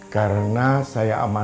karena saya amanahkan mereka